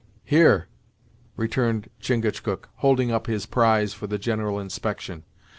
"Here," returned Chingachgook, holding up his prize for the general inspection.